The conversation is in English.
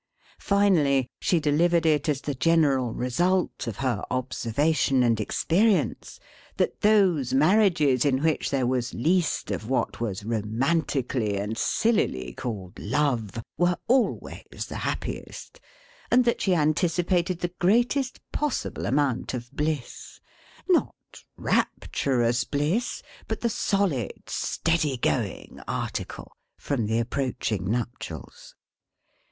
Finally, she delivered it as the general result of her observation and experience, that those marriages in which there was least of what was romantically and sillily called love, were always the happiest; and that she anticipated the greatest possible amount of bliss not rapturous bliss; but the solid, steady going article from the approaching nuptials.